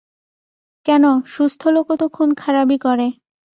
কেন, সুস্থ লোকও তো খুনখারাবি করে।